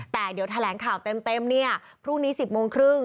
แต่เดี๋ยวแถลงข่าวเต็มเนี่ยพรุ่งนี้๑๐โมงครึ่ง